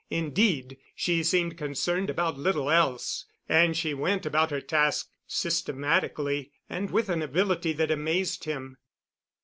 Indeed, she seemed concerned about little else; and she went about her task systematically and with an ability that amazed him.